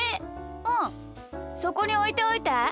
うんそこにおいておいて。